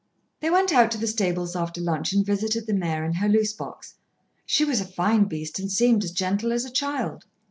They went out to the stables after lunch and visited the mare in her loose box. She was a fine beast, and seemed as gentle as a child.